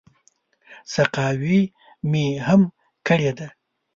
سقاوي مې هم کړې ده.